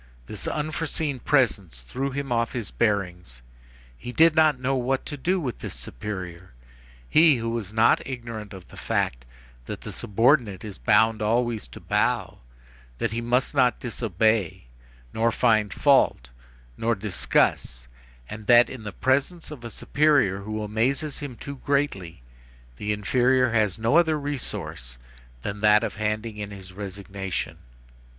This unforeseen presence threw him off his bearings; he did not know what to do with this superior, he, who was not ignorant of the fact that the subordinate is bound always to bow, that he must not disobey, nor find fault, nor discuss, and that, in the presence of a superior who amazes him too greatly, the inferior has no other resource than that of handing in his resignation.